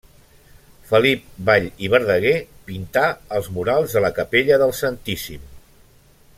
Felip Vall i Verdaguer pintà els murals de la Capella del Santíssim.